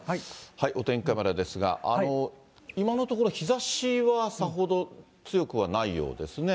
お天気カメラですが、今のところ、日ざしはさほど強くはないようですね。